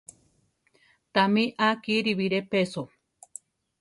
Tamí á kiri biré peso.